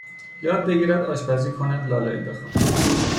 یاد بگیرد آشپزی کند لالایی بخواند